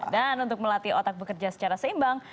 dan untuk melatih otak bekerja secara seimbang